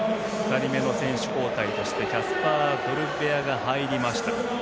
２人目の選手交代としてキャスパー・ドルベアが入りました。